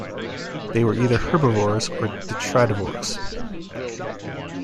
They were either herbivores or detritivores.